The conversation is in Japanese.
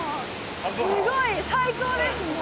すごい、最高です、もう。